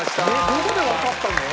どこでわかったの？